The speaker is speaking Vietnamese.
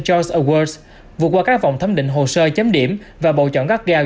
vietjet skyjoy vượt qua các vòng thấm định hồ sơ chấm điểm và bầu chọn gắt gào